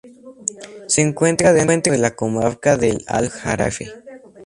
Se encuentra dentro de la comarca del Aljarafe.